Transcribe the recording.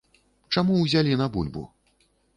Чаму ўзялі на бульбу?